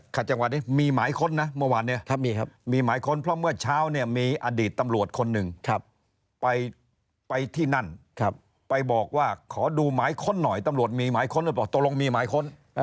จังหวัดนี้มีหมายค้นนะเมื่อวานเนี่ยถ้ามีครับมีหมายค้นเพราะเมื่อเช้าเนี่ยมีอดีตตำรวจคนหนึ่งไปที่นั่นไปบอกว่าขอดูหมายค้นหน่อยตำรวจมีหมายค้นด้วยบอกตกลงมีหมายค้น